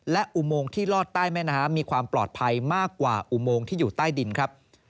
และอุโมงที่ลอดใต้แม่น้ำมีความปลอดภัยมากกว่าอุโมงที่อยู่ใต้ดินครับ